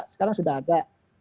sekarang sudah ada